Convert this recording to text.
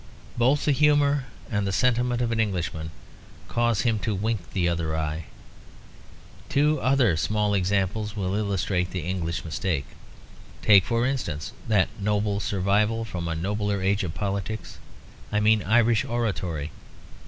Both the humour and the sentiment of an Englishman cause him to wink the other eye. Two other small examples will illustrate the English mistake. Take, for instance, that noble survival from a nobler age of politics I mean Irish oratory.